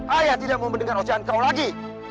ayah tidak mau mendengar ucaan kau lagi